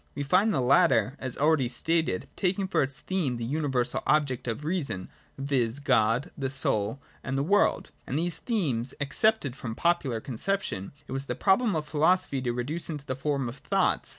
We find the latter, as already stated, taking for its theme the universal objects of the reason, viz. God, the Soul, and the World : and these themes, accepted from popular conception, it was the problem of philosophy to reduce into the form oi thoughts.